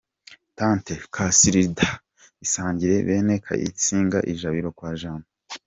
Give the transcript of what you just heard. Tante Cansilida isangire bene Kayitsinga ijabiro kwa Jambo.